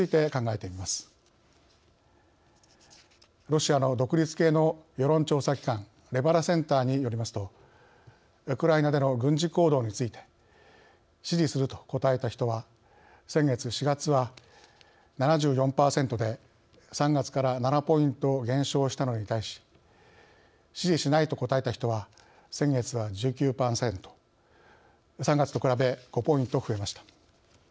ロシアの独立系の世論調査機関レバダセンターによりますとウクライナでの軍事行動について「支持する」と答えた人は先月４月は７４％で３月から７ポイント減少したのに対し「支持しない」と答えた人は先月は１９％３月と比べ５ポイント増えました。